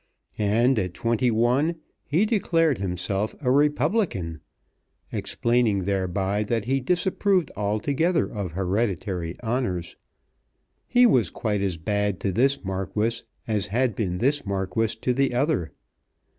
And at twenty one he declared himself a Republican, explaining thereby that he disapproved altogether of hereditary honours. He was quite as bad to this Marquis as had been this Marquis to the other.